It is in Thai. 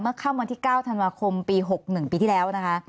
เมื่อเข้าวันที่๙ธันวาคมปี๖ปี๑ที่แล้ว